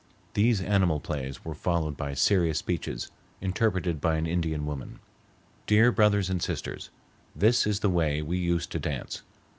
These animal plays were followed by serious speeches, interpreted by an Indian woman: "Dear Brothers and Sisters, this is the way we used to dance.